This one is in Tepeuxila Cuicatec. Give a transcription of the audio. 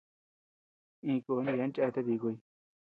Iña koo yeabean cheate díkuy.